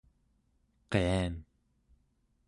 qian